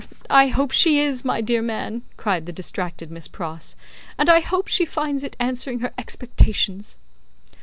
I hope she is, my dear man," cried the distracted Miss Pross, "and I hope she finds it answering her expectations."